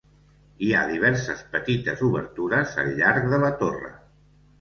Hi ha diverses petites obertures al llarg de la torre.